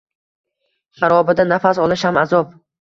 Xarobada nafas olish ham azob.